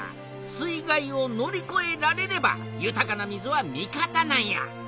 水害を乗りこえられれば豊かな水は味方なんや。